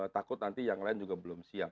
takut nanti yang lain juga belum siap